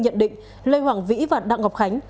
nhận định lê hoàng vĩ và đặng ngọc khánh